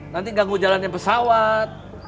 nanti ganggu jalannya pesawat